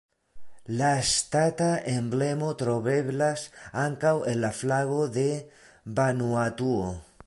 La ŝtata emblemo troveblas ankaŭ en la flago de Vanuatuo.